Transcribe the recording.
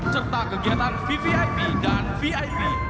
serta kegiatan vvip dan vip